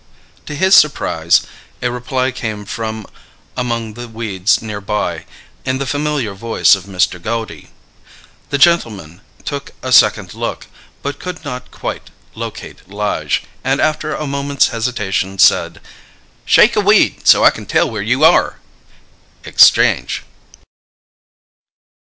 To his surprise, a reply came from among the weeds near by, in the familiar voice of Mr. Goudy. The gentleman took a second look, but could not quite locate 'Lige, and after a moment's hesitation said: "Shake a weed, so I can tell where you are!" _Exchange.